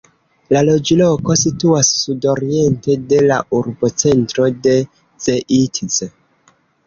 La loĝloko situas sudoriente de la urbocentro de Zeitz.